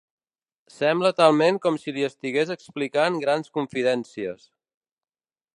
Sembla talment com si li estigués explicant grans confidències.